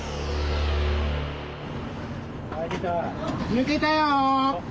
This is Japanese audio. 抜けたよ！